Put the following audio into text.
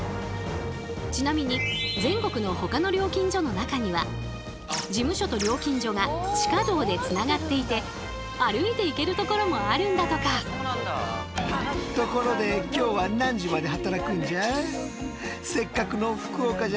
ちなみに全国のほかの料金所の中には事務所と料金所が地下道でつながっていて歩いて行けるところもあるんだとか。ということでやって来たのは中は立ち仕事大変。